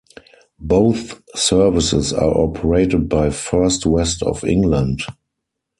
Both services are operated by First West of England.